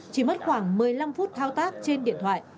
chỉ mất khoảng một mươi năm phút thao tác trên điện thoại